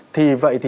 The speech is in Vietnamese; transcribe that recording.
thì vậy thì